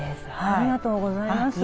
ありがとうございます。